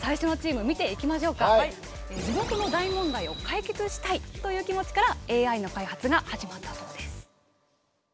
「地元の大問題を解決したい」という気持ちからＡＩの開発が始まったそうです。